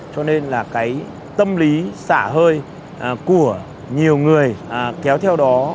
cho nên tâm lý xả hơi của nhiều người kéo theo đó